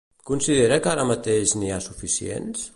Considera que ara mateix n'hi ha suficients?